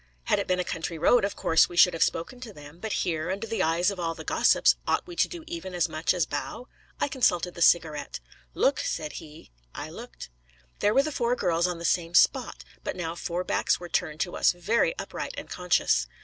Had it been a country road, of course we should have spoken to them; but here, under the eyes of all the gossips, ought we to do even as much as bow? I consulted the Cigarette. 'Look,' said he. I looked. There were the four girls on the same spot; but now four backs were turned to us, very upright and conscious.